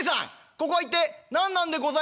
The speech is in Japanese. ここは一体何なんでございます？』